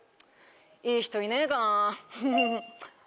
いい人いねえかなフフフ。